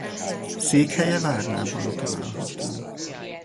Székhelye Várnában található.